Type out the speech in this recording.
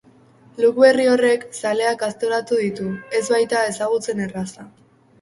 Look berri horrek zaleak aztoratu ditu, ez baita ezagutzen erraza.